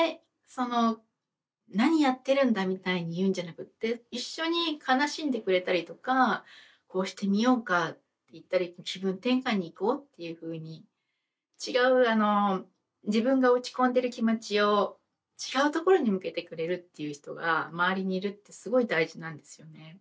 その「何やってるんだ」みたいに言うんじゃなくて一緒に悲しんでくれたりとか「こうしてみようか」って言ったり「気分転換に行こう」っていうふうに違う自分が落ち込んでる気持ちを違うところに向けてくれるっていう人が周りにいるってすごい大事なんですよね。